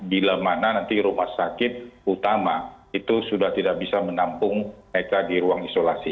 bila mana nanti rumah sakit utama itu sudah tidak bisa menampung mereka di ruang isolasi